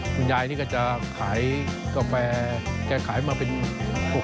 คุณยายจะขายกาแฟแกขายมาปี๖๐๗๐ปีแล้ว